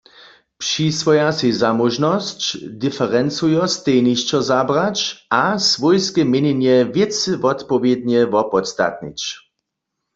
Přiswoja sej zamóžnosć, diferencujo stejnišćo zabrać a swójske měnjenje wěcy wotpowědnje wopodstatnić.